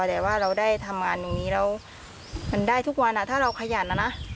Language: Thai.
แต่ว่าเราได้ทำงานตรงนี้แล้วมันได้ทุกวันถ้าเราขยันนะนะ